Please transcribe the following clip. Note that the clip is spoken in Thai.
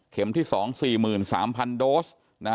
เข็มที่๒๔๓๐๐๐โดส